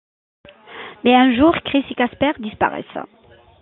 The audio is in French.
Mais un jour, Chris et Casper disparaissent...